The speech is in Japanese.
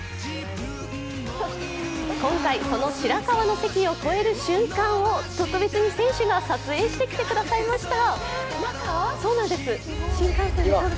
今回、その白河の関を越える瞬間を特別に選手が撮影してきてくださいました。